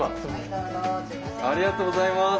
ありがとうございます。